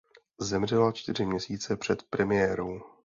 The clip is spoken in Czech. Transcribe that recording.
Zemřela čtyři měsíce před premiérou.